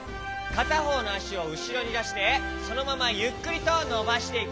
かたほうのあしをうしろにだしてそのままゆっくりとのばしていくよ。